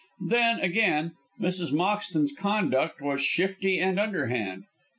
Then, again, Mrs. Moxton's conduct was shifty and underhand.